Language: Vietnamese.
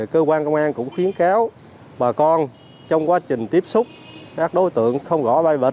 cơ quan công an cũng khuyến cáo bà con trong quá trình tiếp xúc các đối tượng không gõ bai vịt